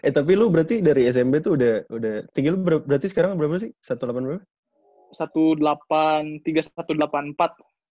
tapi lu berarti dari smp tuh udah tinggi lu berarti sekarang berapa sih delapan belas berapa